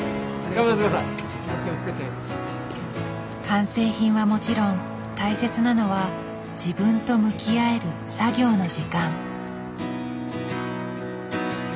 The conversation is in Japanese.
完成品はもちろん大切なのは自分と向き合える作業の時間。